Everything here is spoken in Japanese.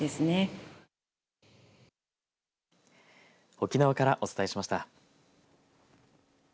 沖縄からお伝えしました。